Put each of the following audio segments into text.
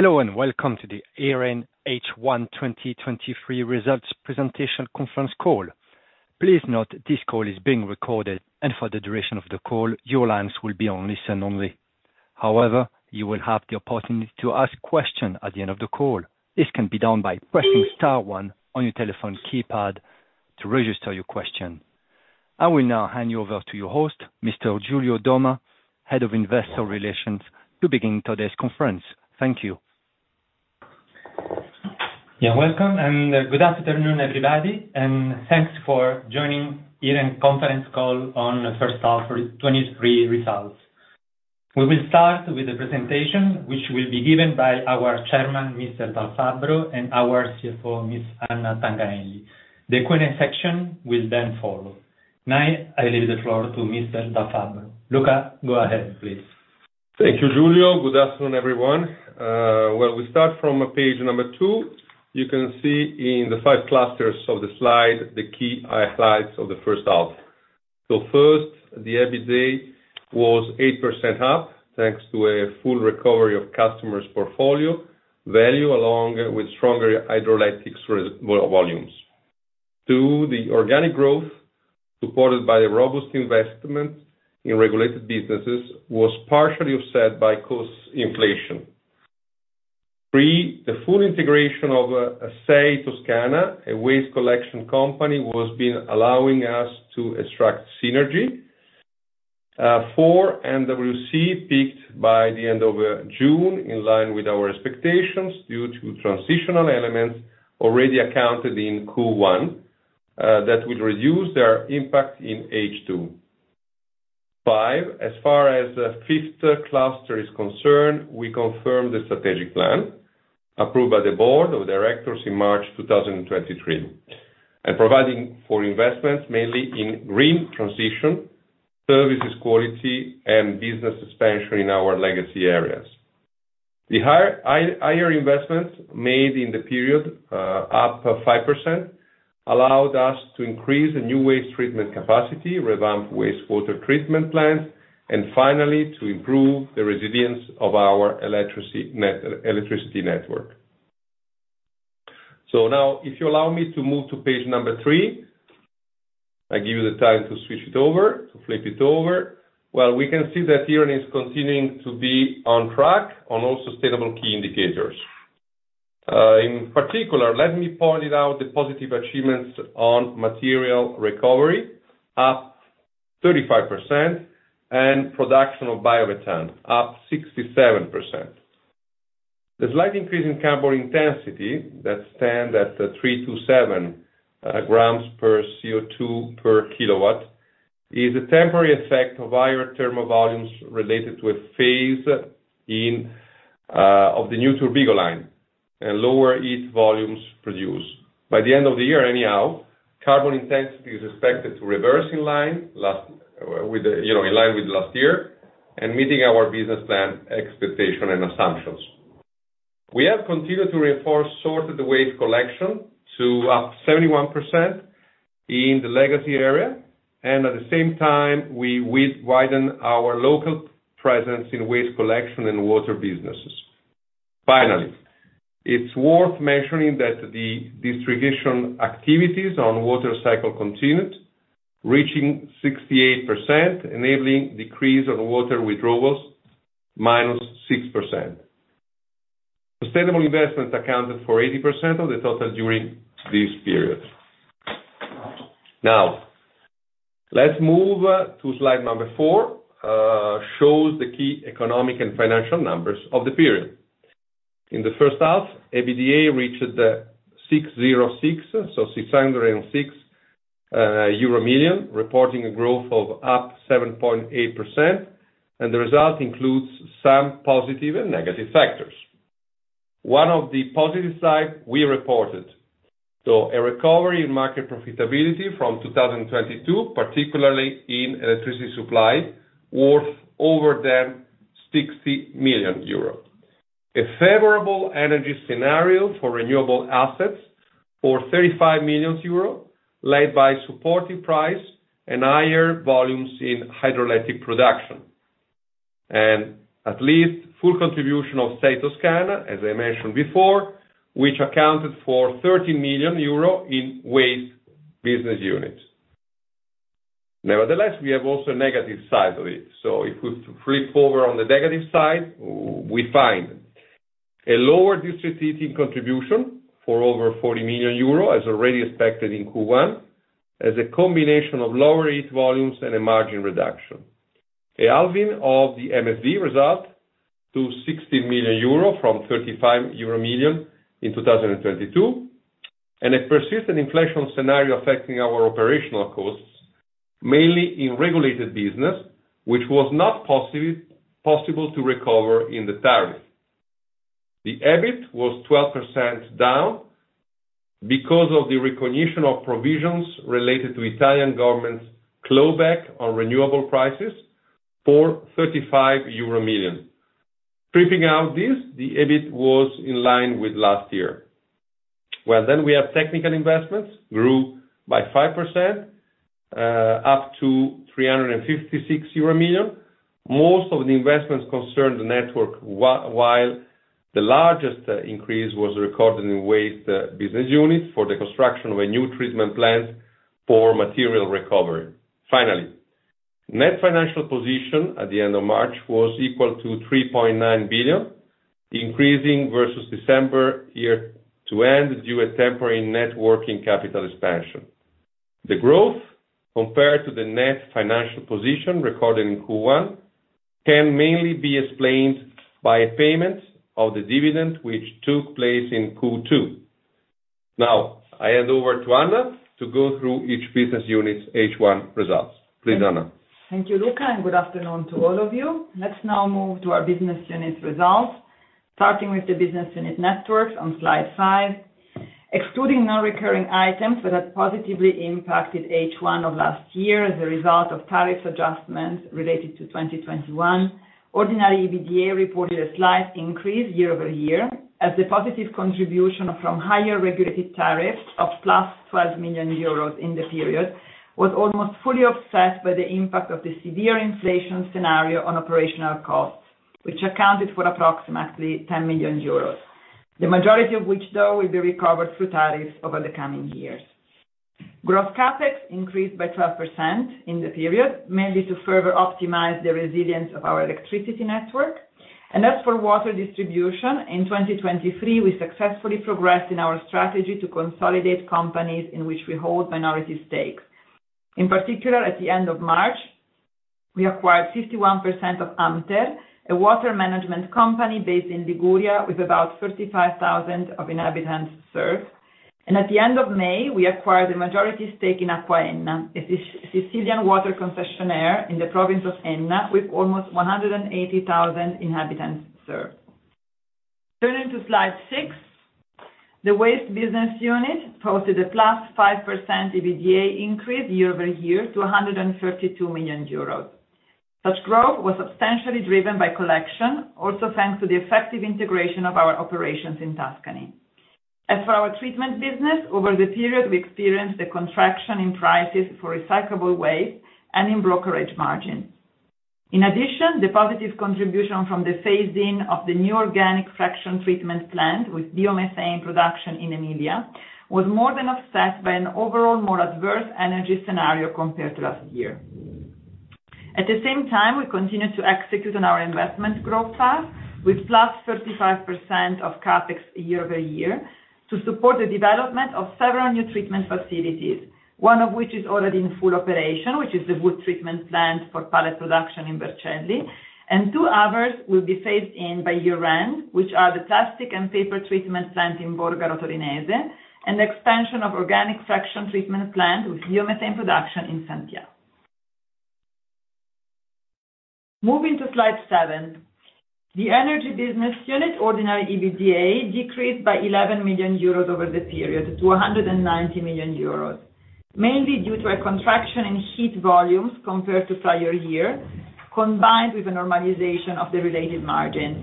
Hello, welcome to the Iren H1 2023 Results Presentation Conference Call. Please note this call is being recorded, for the duration of the call, your lines will be on listen only. However, you will have the opportunity to ask questions at the end of the call. This can be done by pressing star one on your telephone keypad to register your question. I will now hand you over to your host, Mr. Giulio Domma, Head of Investor Relations, to begin today's conference. Thank you. Welcome, and good afternoon, everybody, and thanks for joining Iren conference call on the first half of 2023 results. We will start with the presentation, which will be given by our Chairman, Mr. Dal Fabbro, and our CFO, Ms. Anna Tanganelli. The Q&A section will then follow. Now, I leave the floor to Mr. Dal Fabbro. Luca, go ahead, please. Thank you, Giulio. Good afternoon, everyone. Well, we start from page 2. You can see in the 5 clusters of the slide, the key highlights of the first half. First, the EBITDA was 8% up, thanks to a full recovery of customers portfolio value along with stronger hydroelectric volumes. Two, the organic growth, supported by a robust investment in regulated businesses, was partially offset by cost inflation. Three, the full integration of SEI Toscana, a waste collection company, was been allowing us to extract synergy. Four, NWC peaked by the end of June, in line with our expectations, due to transitional elements already accounted in Q1, that will reduce their impact in H2. Five, as far as the fifth cluster is concerned, we confirm the strategic plan, approved by the board of directors in March 2023, and providing for investments mainly in green transition, services quality, and business expansion in our legacy areas. The higher investments made in the period, up 5%, allowed us to increase the new waste treatment capacity, revamp wastewater treatment plant, and finally, to improve the resilience of our electricity network. Now, if you allow me to move to page number 3, I give you the time to switch it over, to flip it over. Well, we can see that Iren is continuing to be on track on all sustainable key indicators. In particular, let me point it out, the positive achievements on material recovery, up 35%, and production of biomethane, up 67%. The slight increase in carbon intensity, that stands at 327 grams per CO2 per kilowatt, is a temporary effect of higher thermal volumes related to a phase in of the new Turbigo line and lower heat volumes produced. By the end of the year anyhow, carbon intensity is expected to reverse in line with last year and meeting our business plan expectation and assumptions. We have continued to reinforce sorted waste collection to up 71% in the legacy area, and at the same time, we widen our local presence in waste collection and water businesses. Finally, it's worth mentioning that the distribution activities on water cycle continued, reaching 68%, enabling decrease on water withdrawals, -6%. Sustainable investments accounted for 80% of the total during this period. Now, let's move to slide 4, shows the key economic and financial numbers of the period. In the first half, EBITDA reached the 606, so 606 million, reporting a growth of up 7.8%. The result includes some positive and negative factors. One of the positive side, we reported, so a recovery in market profitability from 2022, particularly in electricity supply, worth over than 60 million euros. A favorable energy scenario for renewable assets for 35 million euros, led by supportive price and higher volumes in hydroelectric production. At least full contribution of SEI Toscana, as I mentioned before, which accounted for 13 million euro in waste business units. Nevertheless, we have also a negative side of it. If we flip over on the negative side, we find a lower district heating contribution for over 40 million euro, as already expected in Q1, as a combination of lower heat volumes and a margin reduction. A halving of the NFP result to 16 million euro from 35 million euro in 2022, and a persistent inflation scenario affecting our operational costs, mainly in regulated business, which was not possible to recover in the tariff. The EBIT was 12% down because of the recognition of provisions related to Italian government's clawback on renewable prices for 35 million euro. Flipping out this, the EBIT was in line with last year. We have technical investments grew by 5%, up to 356 million euro. Most of the investments concerned the network, while the largest increase was recorded in waste business units for the construction of a new treatment plant for material recovery. Net financial position at the end of March was equal to 3.9 billion, increasing versus December year to end due to temporary net working capital expansion. The growth compared to the net financial position recorded in Q1, can mainly be explained by a payment of the dividend, which took place in Q2. I hand over to Anna to go through each business unit's H1 results. Please, Anna. Thank you, Luca, and good afternoon to all of you. Let's now move to our business unit results, starting with the business unit networks on slide 5. Excluding non-recurring items that have positively impacted H1 of last year as a result of tariffs adjustments related to 2021, ordinary EBITDA reported a slight increase year-over-year, as the positive contribution from higher regulated tariffs of 12 million euros in the period, was almost fully offset by the impact of the severe inflation scenario on operational costs, which accounted for approximately 10 million euros. The majority of which, though, will be recovered through tariffs over the coming years. Gross CapEx increased by 12% in the period, mainly to further optimize the resilience of our electricity network. As for water distribution, in 2023, we successfully progressed in our strategy to consolidate companies in which we hold minority stakes. In particular, at the end of March, we acquired 51% of AMTER, a water management company based in Liguria, with about 35,000 of inhabitants served. At the end of May, we acquired a majority stake in ACQUAENNA, a Sicilian water concessionaire in the province of Enna, with almost 180,000 inhabitants served. Turning to slide 6, the waste business unit posted a +5% EBITDA increase year-over-year to 132 million euros. Such growth was substantially driven by collection, also thanks to the effective integration of our operations in Tuscany. As for our treatment business, over the period, we experienced a contraction in prices for recyclable waste and in brokerage margins. The positive contribution from the phasing of the new organic fraction treatment plant, with biomethane production in Emilia, was more than offset by an overall more adverse energy scenario compared to last year. We continued to execute on our investment growth plan, with +35% of CapEx year-over-year, to support the development of several new treatment facilities. One of which is already in full operation, which is the wood treatment plant for pallet production in Vercelli, and 2 others will be phased in by year-end, which are the plastic and paper treatment plant in Borgaro Torinese, and the expansion of organic fraction treatment plant with biomethane production in Santhià. Moving to slide 7. The energy business unit, ordinary EBITDA, decreased by 11 million euros over the period to 190 million euros, mainly due to a contraction in heat volumes compared to prior year, combined with a normalization of the related margins.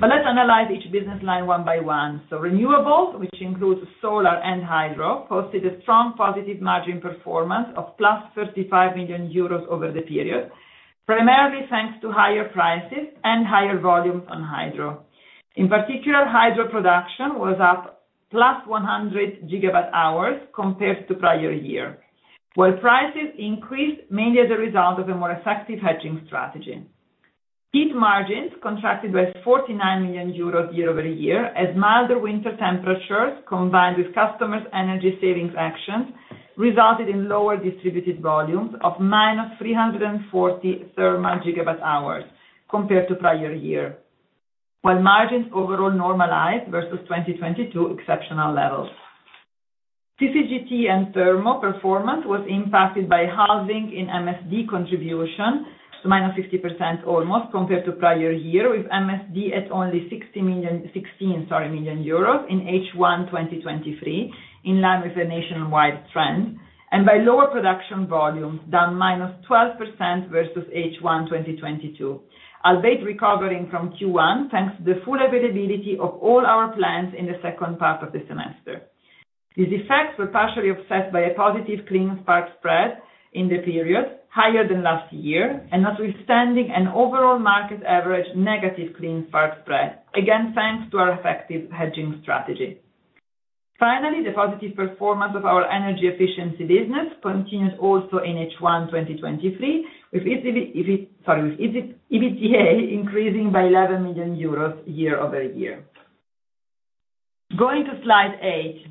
Let's analyze each business line one by one. Renewables, which includes solar and hydro, posted a strong positive margin performance of plus 35 million euros over the period, primarily thanks to higher prices and higher volumes on hydro. In particular, hydro production was up plus 100 gigabyte hours compared to prior year, while prices increased mainly as a result of a more effective hedging strategy. Heat margins contracted by 49 million euros year-over-year, as milder winter temperatures, combined with customers' energy savings actions, resulted in lower distributed volumes of minus 340 thermal gigabyte hours compared to prior year, while margins overall normalized versus 2022 exceptional levels. CCGT and thermal performance was impacted by halving in MSD contribution to minus 60%, almost, compared to prior year, with MSD at only 16 million euros in H1 2023, in line with the nationwide trend, and by lower production volumes, down minus 12% versus H1 2022, albeit recovering from Q1, thanks to the full availability of all our plants in the second part of the semester. These effects were partially offset by a positive clean spark spread in the period, higher than last year, notwithstanding an overall market average negative clean spark spread, again, thanks to our effective hedging strategy. Finally, the positive performance of our energy efficiency business continued also in H1 2023, with EBITDA increasing by EUR 11 million year-over-year. Going to slide 8.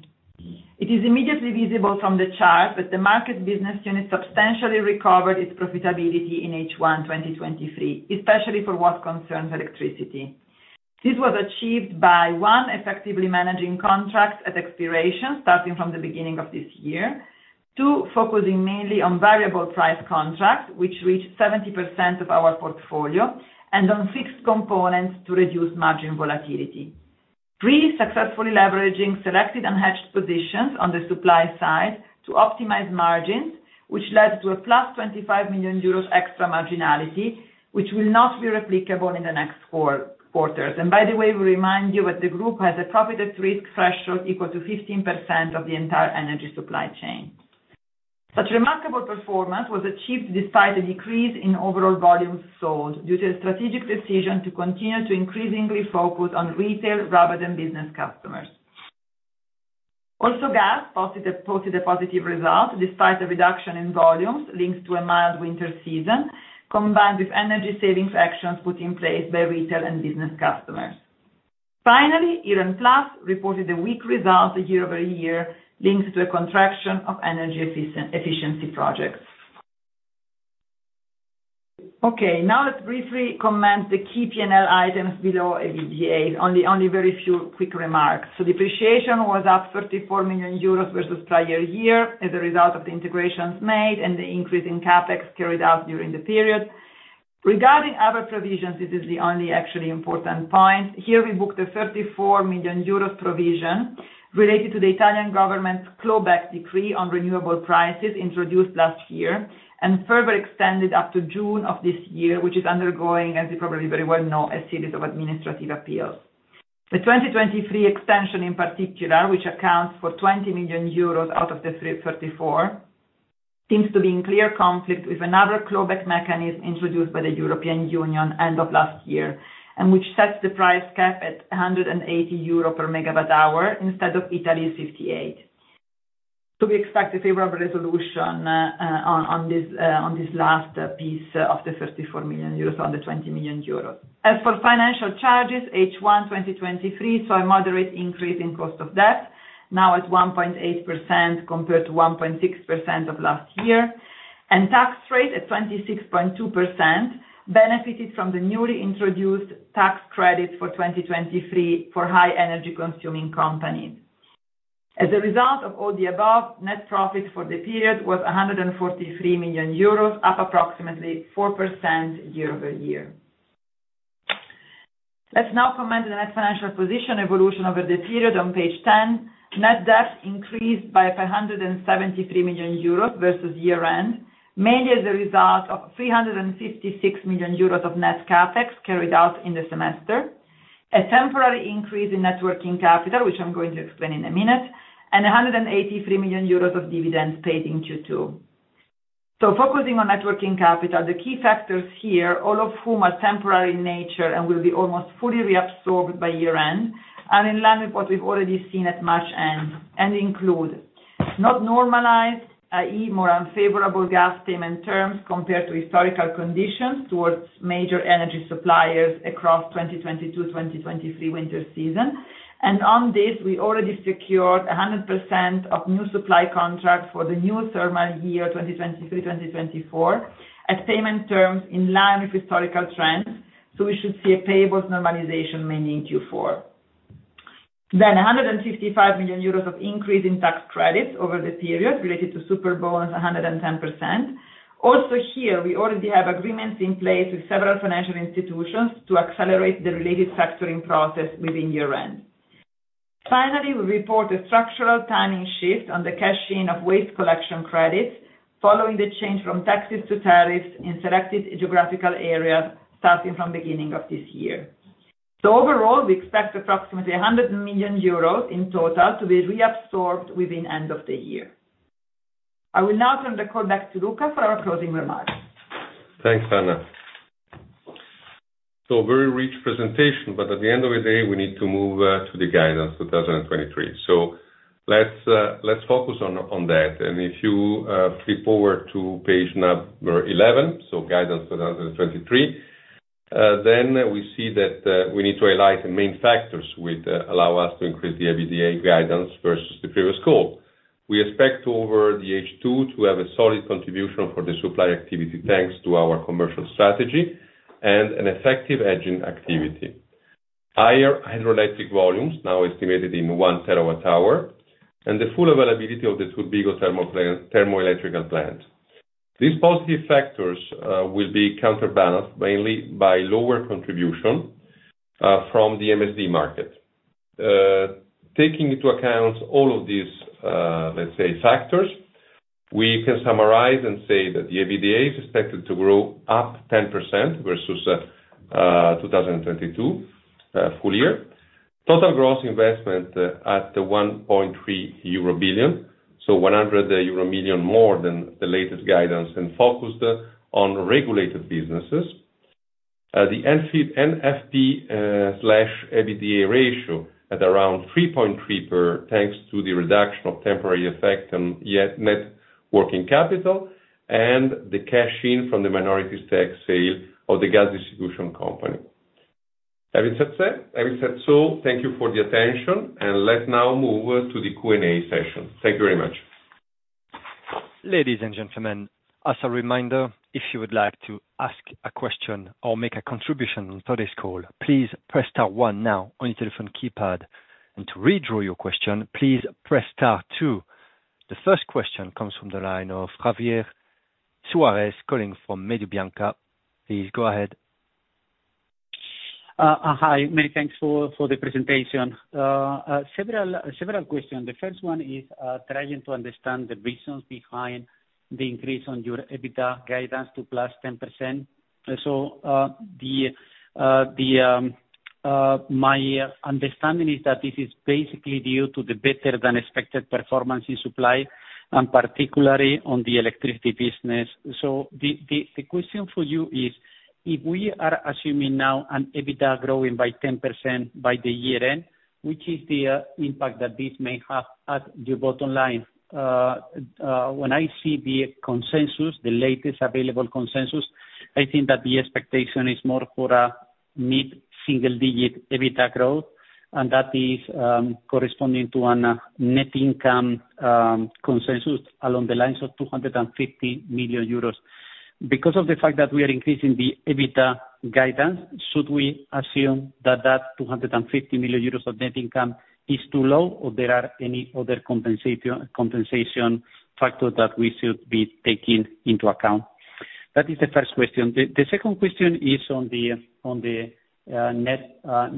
It is immediately visible from the chart that the market business unit substantially recovered its profitability in H1 2023, especially for what concerns electricity. This was achieved by 1, effectively managing contracts at expiration, starting from the beginning of this year. 2, focusing mainly on variable price contracts, which reached 70% of our portfolio, and on fixed components to reduce margin volatility. 3, successfully leveraging selected unhedged positions on the supply side to optimize margins, which led to a plus 25 million euros extra marginality, which will not be replicable in the next 4 quarters. By the way, we remind you that the group has a profit at risk threshold equal to 15% of the entire energy supply chain. Such remarkable performance was achieved despite a decrease in overall volumes sold, due to a strategic decision to continue to increasingly focus on retail rather than business customers. Gas posted a positive result, despite the reduction in volumes linked to a mild winter season, combined with energy savings actions put in place by retail and business customers. Finally, IrenPlus reported a weak result year-over-year, linked to a contraction of energy efficiency projects. Okay, now let's briefly comment the key P&L items below EBITDA, only very few quick remarks. Depreciation was up 34 million euros versus prior year, as a result of the integrations made and the increase in CapEx carried out during the period. Other provisions, this is the only actually important point. Here we booked a 34 million euros provision related to the Italian government's clawback decree on renewable prices introduced last year, and further extended up to June of this year, which is undergoing, as you probably very well know, a series of administrative appeals. The 2023 extension in particular, which accounts for 20 million euros out of the 34, seems to be in clear conflict with another clawback mechanism introduced by the European Union end of last year, which sets the price cap at 180 euro per megawatt hour, instead of Italy's 58. We expect a favorable resolution on this last piece of the 34 million euros, on the 20 million euros. As for financial charges, H1 2023 saw a moderate increase in cost of debt, now at 1.8%, compared to 1.6% of last year. Tax rate at 26.2% benefited from the newly introduced tax credit for 2023 for high energy consuming companies. As a result of all the above, net profit for the period was 143 million euros, up approximately 4% year-over-year. Let's now comment on the net financial position evolution over the period on page 10. Net debt increased by 173 million euros versus year-end, mainly as a result of 356 million euros of net CapEx carried out in the semester. A temporary increase in net working capital, which I'm going to explain in a minute, and 183 million euros of dividends paid in Q2. Focusing on net working capital, the key factors here, all of whom are temporary in nature and will be almost fully reabsorbed by year-end, are in line with what we've already seen at March end, and include: not normalized, i.e., more unfavorable gas payment terms compared to historical conditions towards major energy suppliers across 2022, 2023 winter season. On this, we already secured 100% of new supply contracts for the new thermal year, 2023, 2024, at payment terms in line with historical trends, so we should see a payables normalization mainly in Q4. 155 million euros of increase in tax credits over the period, related to Superbonus 110%. Also here, we already have agreements in place with several financial institutions to accelerate the related factoring process within year-end. Finally, we report a structural timing shift on the cash-in of waste collection credits, following the change from taxes to tariffs in selected geographical areas, starting from beginning of this year. Overall, we expect approximately 100 million euros in total to be reabsorbed within end of the year. I will now turn the call back to Luca for our closing remarks. Thanks, Anna. Very rich presentation, but at the end of the day, we need to move to the guidance 2023. Let's focus on that. If you flip forward to page 11, guidance 2023, we see that we need to highlight the main factors which allow us to increase the EBITDA guidance versus the previous call. We expect over the H2 to have a solid contribution for the supply activity, thanks to our commercial strategy and an effective hedging activity. Higher hydroelectric volumes, now estimated in 1 TWh, and the full availability of the Turbigo thermoelectric plant. These positive factors will be counterbalanced, mainly by lower contribution from the MSD market. Taking into account all of these, let's say, factors, we can summarize and say that the EBITDA is expected to grow up 10% versus 2022 full year. Total gross investment at 1.3 billion euro, so 100 million euro more than the latest guidance, and focused on regulated businesses. The NFP slash EBITDA ratio at around 3.3 per, thanks to the reduction of temporary effect on net working capital, and the cash-in from the minority stake sale of the gas distribution company. Having said so, thank you for the attention, and let's now move to the Q&A session. Thank you very much. Ladies and gentlemen, as a reminder, if you would like to ask a question or make a contribution on today's call, please press star one now on your telephone keypad, and to withdraw your question, please press star two. The first question comes from the line of Javier Suarez, calling from Mediobanca. Please go ahead. Hi, many thanks for the presentation. Several questions. The first one is trying to understand the reasons behind the increase on your EBITDA guidance to +10%. My understanding is that this is basically due to the better than expected performance in supply, and particularly on the electricity business. The question for you is. If we are assuming now an EBITDA growing by 10% by the year end, which is the impact that this may have at your bottom line? When I see the consensus, the latest available consensus, I think that the expectation is more for a mid-single digit EBITDA growth, and that is corresponding to a net income consensus along the lines of 250 million euros. Because of the fact that we are increasing the EBITDA guidance, should we assume that that 250 million euros of net income is too low, or there are any other compensation factors that we should be taking into account? That is the first question. The second question is on the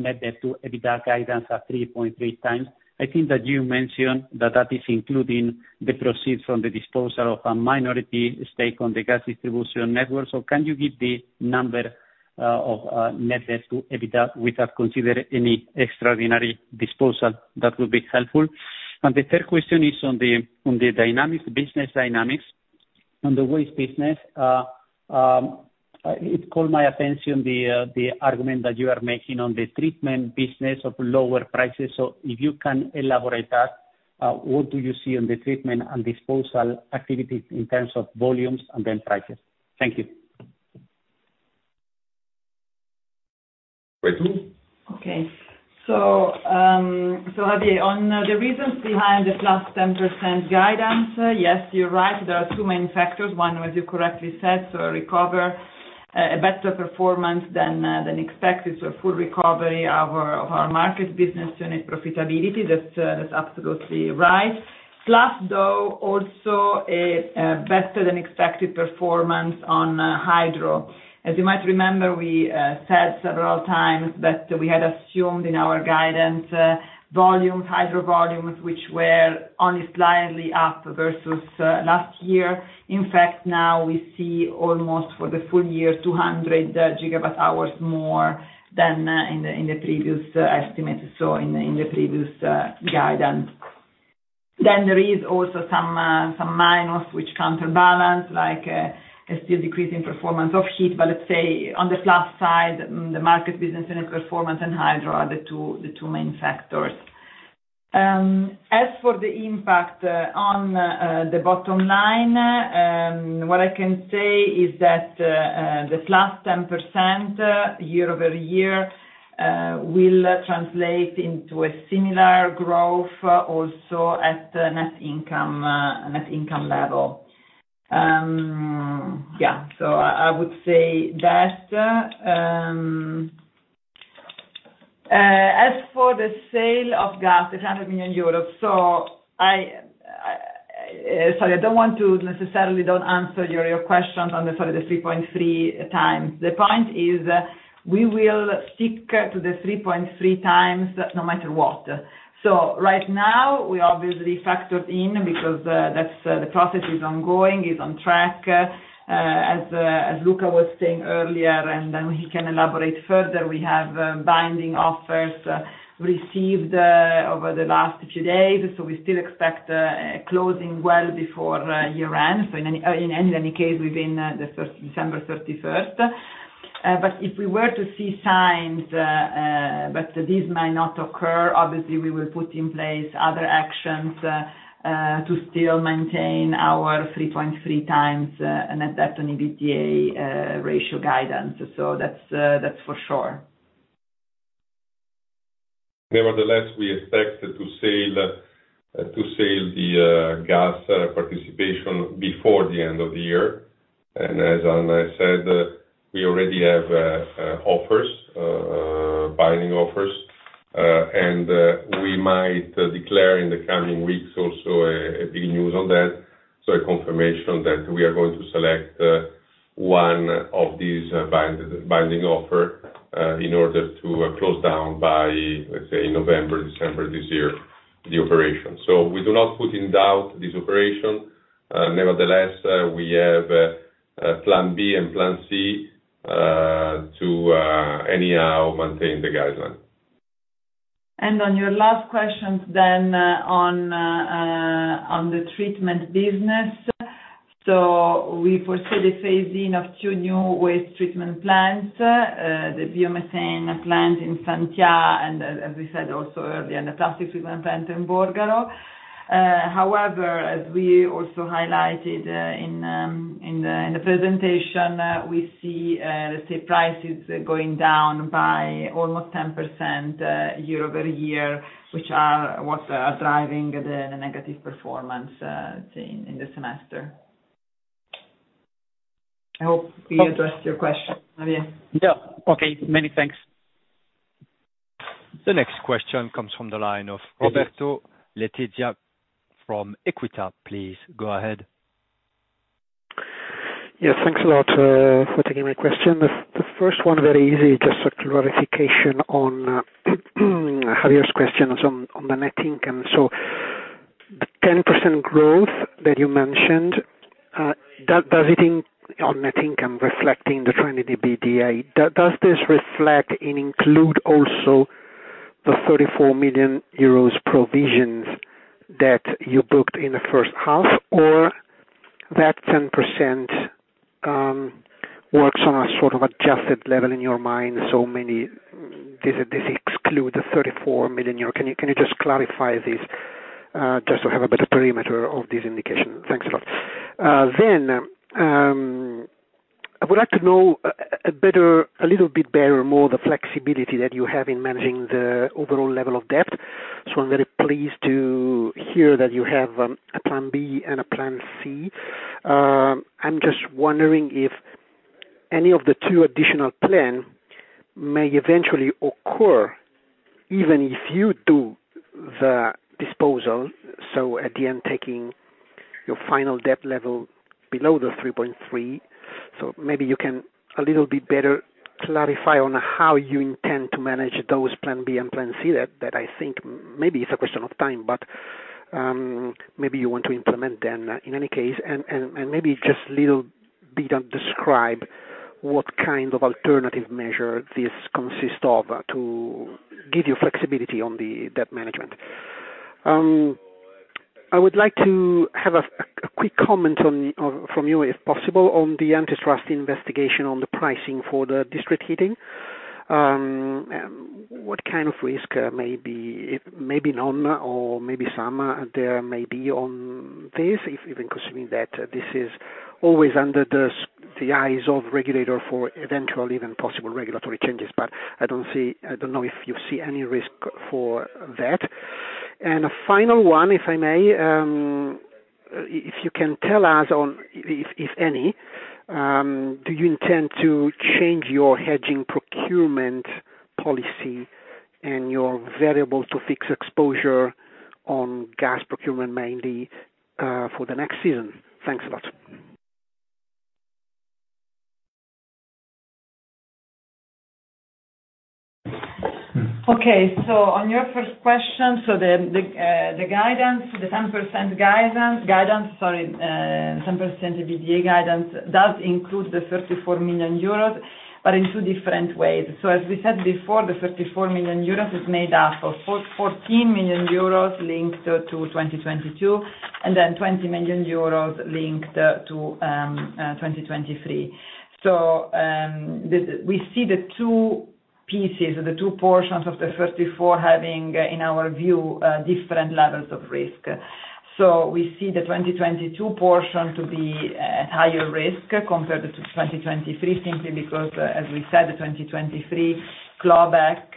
net debt to EBITDA guidance at 3.3 times. I think that you mentioned that that is including the proceeds from the disposal of a minority stake on the gas distribution network. Can you give the number of net debt to EBITDA without considering any extraordinary disposal? That would be helpful. The third question is on the dynamics, business dynamics, on the waste business. It caught my attention, the argument that you are making on the treatment business of lower prices. If you can elaborate that, what do you see on the treatment and disposal activities in terms of volumes and then prices? Thank you.... Okay. Javier, on the reasons behind the +10% guidance, yes, you're right, there are two main factors. One, as you correctly said, a better performance than expected, so full recovery of our market business unit profitability. That's absolutely right. Plus, though, also a better than expected performance on hydro. As you might remember, we said several times that we had assumed in our guidance, hydro volumes, which were only slightly up versus last year. In fact, now we see almost for the full year, 200 gigawatt hours more than in the previous estimate, so in the previous guidance. There is also some minus which counterbalance, like, a still decreasing performance of heat. Let's say on the plus side, the market business unit performance and hydro are the two main factors. As for the impact on the bottom line, what I can say is that this last 10% year-over-year will translate into a similar growth also at the net income level. I would say that. As for the sale of gas, the 100 million euros, I don't want to necessarily don't answer your question on the 3.3 times. The point is, we will stick to the 3.3 times, no matter what. Right now, we obviously factored in because that's the process is ongoing, is on track, as Luca was saying earlier, and then he can elaborate further, we have binding offers received over the last few days. We still expect closing well before year end. In any case, within December 31st. If we were to see signs that this might not occur, obviously, we will put in place other actions to still maintain our 3.3 times and at that an EBITDA ratio guidance. That's for sure. Nevertheless, we expect to sell the gas participation before the end of the year. As Anna said, we already have offers, binding offers. We might declare in the coming weeks also a big news on that. A confirmation that we are going to select one of these binding offer in order to close down by, let's say, November, December this year, the operation. We do not put in doubt this operation. Nevertheless, we have a plan B and plan C to anyhow, maintain the guideline. On your last question then, on the treatment business. We foresee the phasing of two new waste treatment plants, the biomethane plant in Santhià, and as we said also earlier, the plastic treatment plant in Borgaro. However, as we also highlighted in the presentation, we see prices going down by almost 10% year-over-year, which are driving the negative performance say, in the semester. I hope we addressed your question, Javier. Yeah. Okay. Many thanks. The next question comes from the line of Roberto Letizia from Equita. Please, go ahead. Yes, thanks a lot for taking my question. The first one, very easy, just a clarification on Javier's questions on the net income. The 10% growth that you mentioned, does it on net income, reflecting the trending EBITDA, does this reflect and include also the 34 million euros provisions that you booked in the first half? Or that 10% works on a sort of adjusted level in your mind, so many visit, this exclude the 34 million euro. Can you just clarify this, just to have a better perimeter of this indication? Thanks a lot. I would like to know a better, a little bit better, more the flexibility that you have in managing the overall level of debt. I'm very pleased to hear that you have a plan B and a plan C. I'm just wondering if any of the 2 additional plan may eventually occur, even if you do the disposal, at the end, taking your final debt level below 3.3. Maybe you can a little bit better clarify on how you intend to manage those plan B and plan C, that I think maybe it's a question of time, but maybe you want to implement them in any case. Maybe just little bit on describe what kind of alternative measure this consist of, to give you flexibility on the debt management. I would like to have a quick comment from you, if possible, on the antitrust investigation, on the pricing for the district heating. What kind of risk may be, it may be none or maybe some there may be on this, if, if in considering that this is always under the eyes of regulator for eventually even possible regulatory changes. I don't see. I don't know if you see any risk for that. A final one, if I may, if you can tell us on, if, if any, do you intend to change your hedging procurement policy and your variable to fixed exposure on gas procurement, mainly, for the next season? Thanks a lot. On your first question, the guidance, the 10% guidance, sorry, 10% EBITDA guidance, does include the 34 million euros, but in two different ways. As we said before, the 34 million euros is made up of 14 million euros linked to 2022, and then 20 million euros linked to 2023. We see the two pieces or the two portions of the 34 having, in our view, different levels of risk. We see the 2022 portion to be at higher risk compared to 2023, simply because, as we said, the 2023 clawback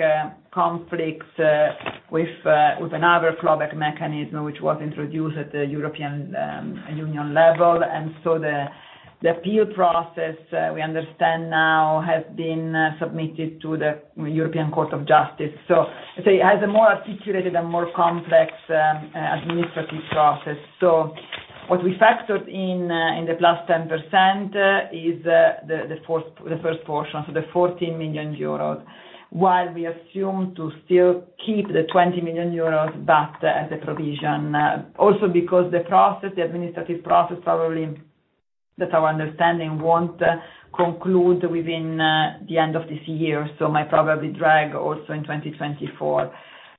conflicts with another clawback mechanism, which was introduced at the European Union level. The appeal process, we understand now has been submitted to the European Court of Justice. I say, it has a more articulated and more complex administrative process. What we factored in in the +10% is the first portion, so the 14 million euros, while we assume to still keep the 20 million euros back as a provision. Also because the process, the administrative process, probably, that's our understanding, won't conclude within the end of this year, so might probably drag also in 2024.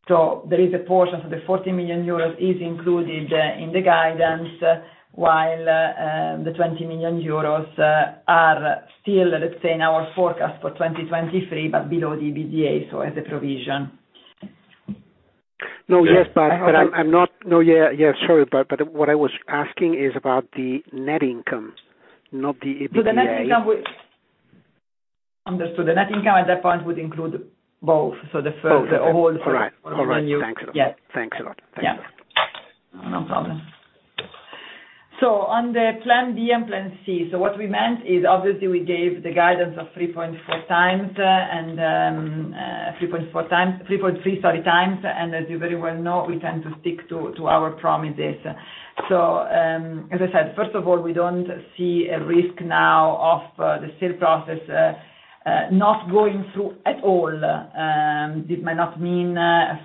There is a portion, so the 14 million euros is included in the guidance, while the 20 million euros are still, let's say, in our forecast for 2023, but below the EBITDA, so as a provision. No, yes, but- I hope I- I'm not... No, yeah, sorry, what I was asking is about the net income, not the EBITDA. Understood. The net income at that point would include both. The first, the whole thing. All right. All right. Thanks a lot. Yeah. Thanks a lot. Thank you. Yeah. No problem. On the plan B and plan C, so what we meant is, obviously, we gave the guidance of 3.4 times, and 3.4 times, 3.3, sorry, times, and as you very well know, we tend to stick to our promises. As I said, first of all, we don't see a risk now of the sale process not going through at all. This might not mean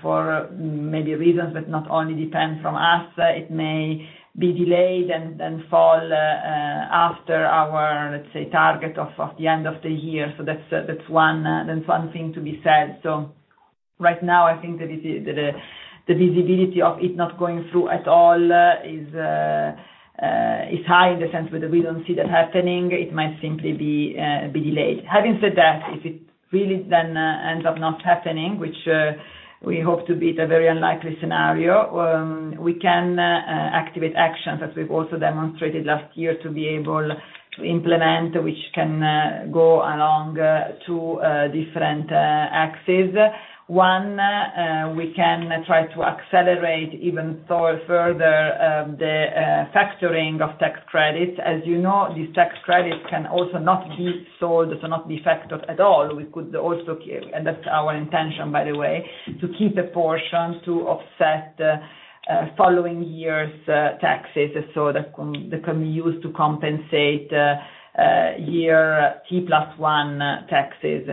for maybe reasons, but not only depend from us, it may be delayed and fall after our, let's say, target of the end of the year. That's one thing to be said. Right now, I think the visibility of it not going through at all is high in the sense that we don't see that happening. It might simply be delayed. Having said that, if it really then ends up not happening, which we hope to be at a very unlikely scenario, we can activate actions, as we've also demonstrated last year, to be able to implement, which can go along 2 different axes. One, we can try to accelerate even so further, the factoring of tax credits. As you know, these tax credits can also not be sold, so not be factored at all. We could also keep, and that's our intention, by the way, to keep a portion to offset, following year's taxes, so that can be used to compensate year T plus one taxes.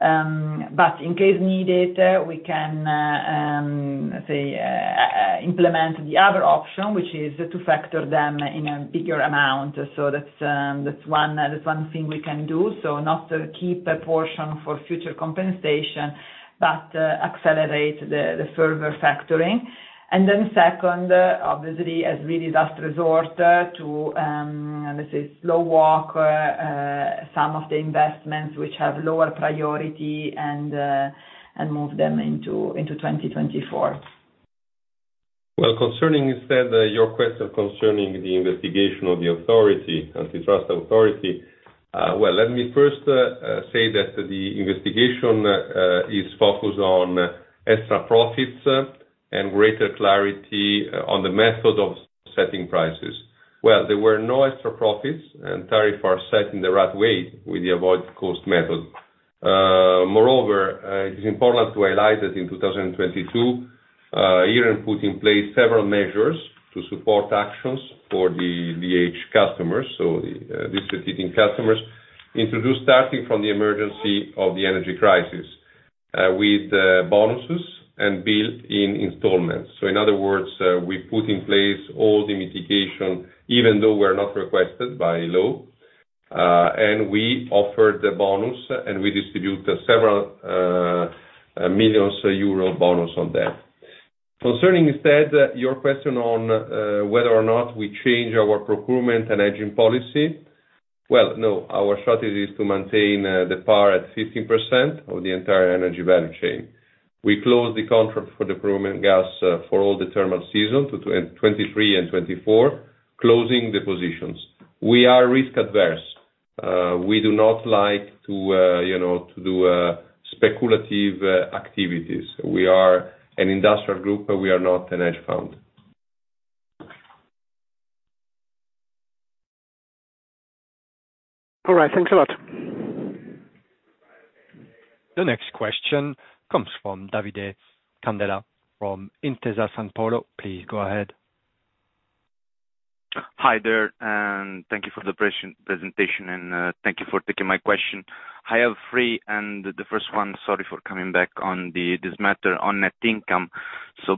In case needed, we can, let's say, implement the other option, which is to factor them in a bigger amount. That's one thing we can do. Not to keep a portion for future compensation, but accelerate the further factoring. Second, obviously, as really last resort, to, let's say, slow walk some of the investments which have lower priority and move them into 2024. Concerning instead, your question concerning the investigation of the authority, Antitrust Authority, let me first say that the investigation is focused on extra profits and greater clarity on the method of setting prices. There were no extra profits, and tariffs are set in the right way with the avoided cost method. Moreover, it is important to highlight that in 2022, Iren put in place several measures to support actions for the vulnerable customers, so the visiting customers, introduced starting from the emergency of the energy crisis, with bonuses and built-in installments. In other words, we put in place all the mitigation, even though we're not requested by law, and we offered the bonus, and we distribute several millions EUR bonus on that. Concerning instead, your question on whether or not we change our procurement and hedging policy. No, our strategy is to maintain the par at 15% of the entire energy value chain. We closed the contract for the procurement gas for all the thermal season to 2023 and 2024, closing the positions. We are risk-averse. We do not like to, you know, to do speculative activities. We are an industrial group, we are not a hedge fund. All right. Thanks a lot. The next question comes from Davide Candela, from Intesa Sanpaolo. Please go ahead. Hi there, thank you for the presentation, thank you for taking my question. I have three. The first one, sorry for coming back on this matter on net income.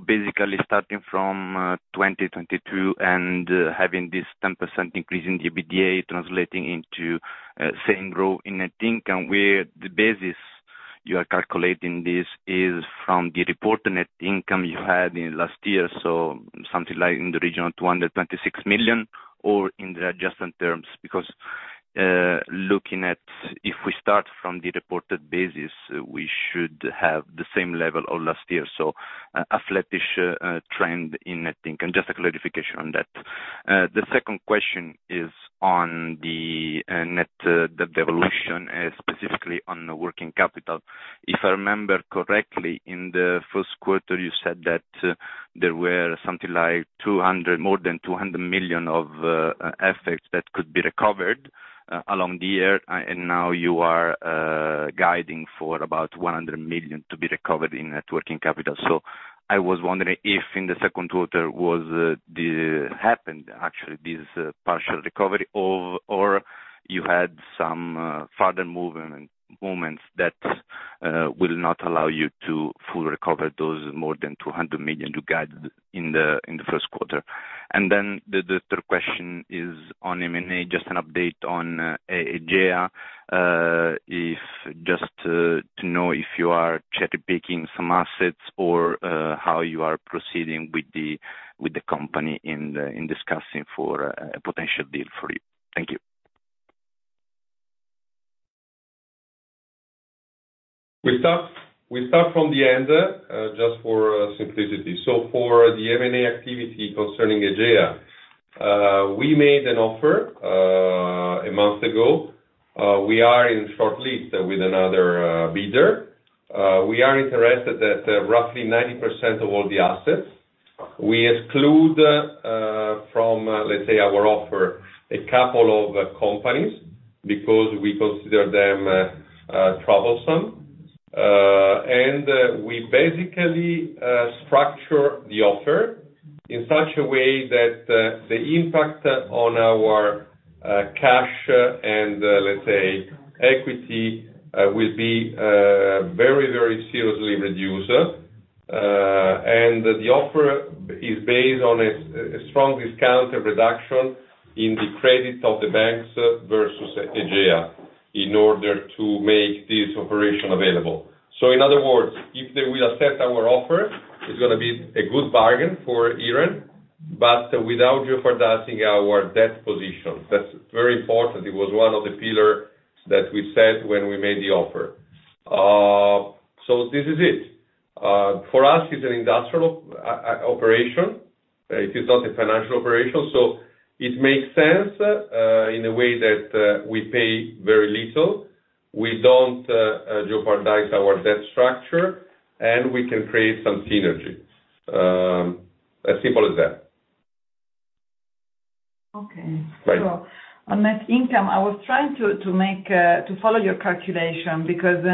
Basically, starting from 2022, having this 10% increase in the EBITDA, translating into same growth in net income, where the basis you are calculating this is from the reported net income you had in last year, so something like in the region of 226 million, or in the adjusted terms? Looking at if we start from the reported basis, we should have the same level of last year, so a flattish trend in net income. Just a clarification on that. The second question is on the net, the devolution, specifically on the working capital. If I remember correctly, in the Q1, you said that there were something like 200 million, more than 200 million of assets that could be recovered along the year, and now you are guiding for about 100 million to be recovered in net working capital. I was wondering if in the Q2 was happened actually, this partial recovery, or you had some further movements that will not allow you to fully recover those more than 200 million you got in the Q1? The third question is on M&A, just an update on EGEA. If just to know if you are cherry-picking some assets or how you are proceeding with the company in discussing for a potential deal for you. Thank you. We start from the end, just for simplicity. For the M&A activity concerning EGEA, we made an offer a month ago. We are in short list with another bidder. We are interested at roughly 90% of all the assets. We exclude from, let's say, our offer, a couple of companies because we consider them troublesome. We basically structure the offer in such a way that the impact on our cash and, let's say, equity, will be very, very seriously reduced. The offer is based on a strong discount, a reduction in the credit of the banks versus EGEA, in order to make this operation available. In other words, if they will accept our offer, it's gonna be a good bargain for Iren, but without jeopardizing our debt position. That's very important. It was one of the pillar that we set when we made the offer. This is it. For us, it's an industrial operation. It is not a financial operation, so it makes sense in a way that we pay very little. We don't jeopardize our debt structure, and we can create some synergy. As simple as that. Okay. Right. On net income, I was trying to make to follow your calculation, because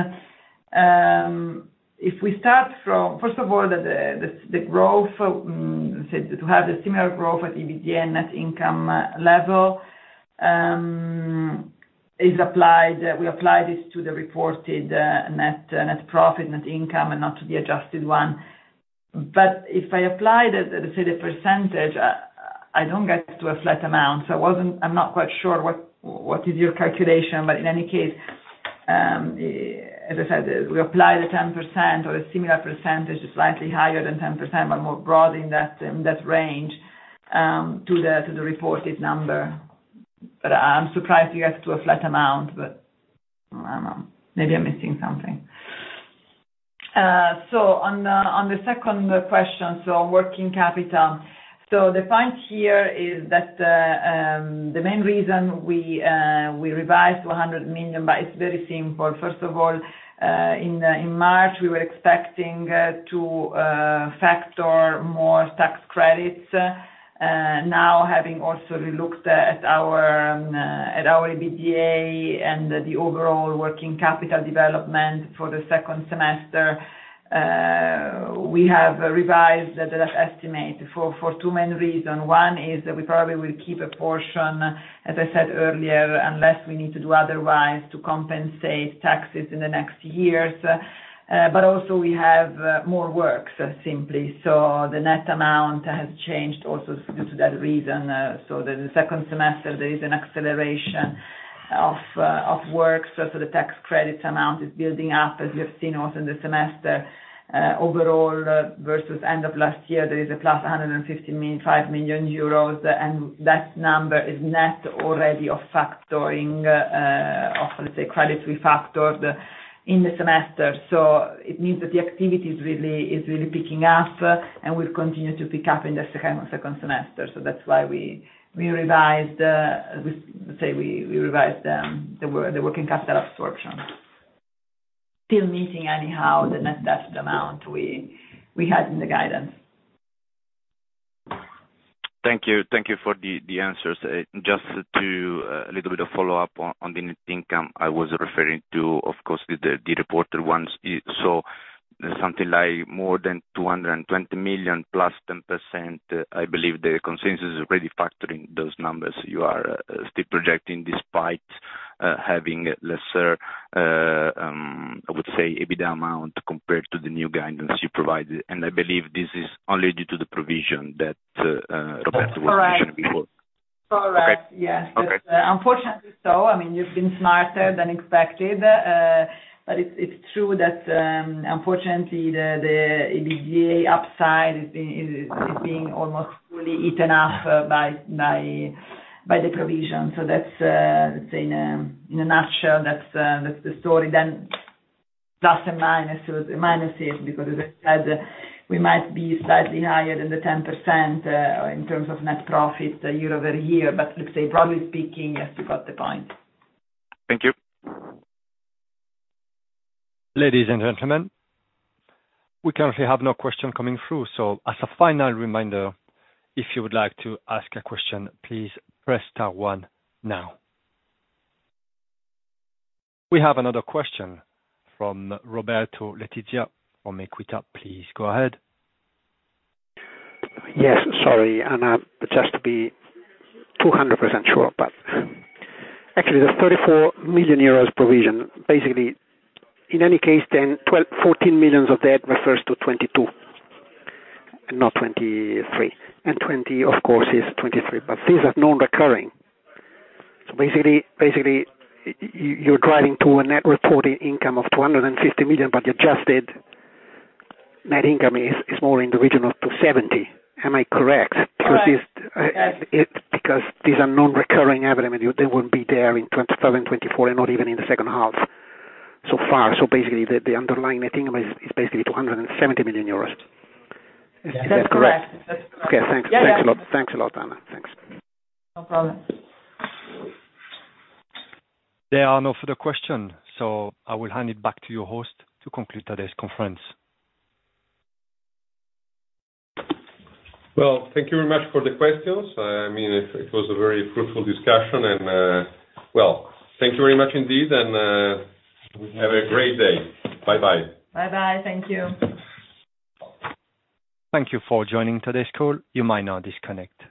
if we start from. First of all, the growth, let's say, to have the similar growth at EBITDA net income level, is applied, we apply this to the reported net profit, net income, and not to the adjusted one. If I apply the percentage, I don't get to a flat amount, so I'm not quite sure what is your calculation. In any case, as I said, we apply the 10% or a similar percentage, is slightly higher than 10%, but more broad in that range, to the reported number. I'm surprised you got to a flat amount, but I don't know. Maybe I'm missing something. On the second question, working capital. The point here is that the main reason we revised 100 million, but it's very simple. First of all, in March, we were expecting to factor more tax credits. Now, having also relooked at our EBITDA and the overall working capital development for the second semester, we have revised that estimate for two main reasons. One is that we probably will keep a portion, as I said earlier, unless we need to do otherwise, to compensate taxes in the next years. But also we have more work, simply. The net amount has changed also due to that reason. The second semester, there is an acceleration of work. The tax credit amount is building up, as you have seen also in the semester. Overall, versus end of last year, there is a plus 155 million euros, and that number is net already of factoring, of, let's say, credits we factored in the semester. It means that the activity is really picking up, and will continue to pick up in the second semester. That's why we, let's say, we revised the working capital absorption. Still missing anyhow, the net debt amount we had in the guidance. Thank you. Thank you for the answers. Just to, a little bit of follow-up on the net income I was referring to, of course, the reported ones. Something like more than 220 million +10%, I believe the consensus is already factoring those numbers. You are still projecting, despite having lesser, I would say, EBITDA amount compared to the new guidance you provided. I believe this is only due to the provision that Roberto was mentioning before. Correct. Okay. Yes. Okay. Unfortunately so. I mean, you've been smarter than expected, but it's, it's true that, unfortunately, the EBITDA upside is being almost fully eaten up by the provision. That's, let's say, in a nutshell, that's the story. Plus and minus, the minus is because, as I said, we might be slightly higher than the 10% in terms of net profit year-over-year. Look, say, broadly speaking, yes, you got the point. Thank you. Ladies and gentlemen, we currently have no question coming through, so as a final reminder, if you would like to ask a question, please press star one now. We have another question from Roberto Letizia on Equita. Please go ahead. Yes, sorry, Anna, just to be 200% sure, but actually, the 34 million euros provision, basically, in any case, then 14 million of that refers to 2022 and not 2023. 20 million, of course, is 2023, but these are non-recurring. Basically, you're driving to a net reported income of 250 million, but adjusted net income is more in the region of 270 million. Am I correct? Correct. Because these are non-recurring revenue, they won't be there in 2020, 2024, and not even in the second half, so far. Basically, the underlying net income is basically 270 million euros. That's correct. Is that correct? That's correct. Okay, thanks. Yeah, yeah. Thanks a lot. Thanks a lot, Anna. Thanks. No problem. There are no further question. I will hand it back to your host to conclude today's conference. Well, thank you very much for the questions. I mean, it was a very fruitful discussion. Well, thank you very much indeed. Have a great day. Bye-bye. Bye-bye. Thank you. Thank you for joining today's call. You may now disconnect.